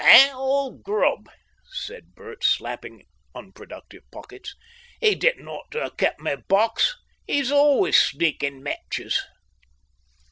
"'Eng old Grubb!" said Bert, slapping unproductive pockets. "'E didn't ought to 'ave kep' my box. 'E's always sneaking matches."